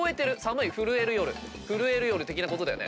震える夜的なことだよね。